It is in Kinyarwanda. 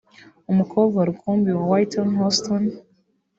umukobwa rukumbi wa Whitney Houston